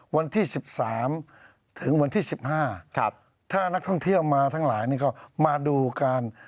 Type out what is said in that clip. วันที่๑๓ถึงวันที่๑๕ถ้านักท่องเที่ยวมาทั้งหลายนี่ก็มาดูการ